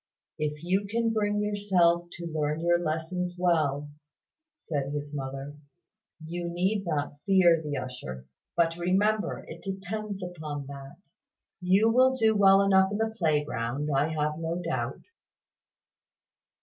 "If you can bring yourself to learn your lessons well," said his mother, "you need not fear the usher. But remember it depends upon that. You will do well enough in the playground, I have no doubt."